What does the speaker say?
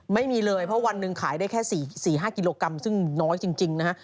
ไม่มีเลยเพราะวันหนึ่งขายได้แค่๔๕กิโลกรัมซึ่งน้อยจริงนะฮะ